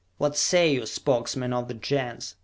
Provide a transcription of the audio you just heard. What say ye, Spokesmen of the Gens?